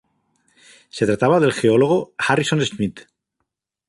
Se trataba del geólogo Harrison Schmitt.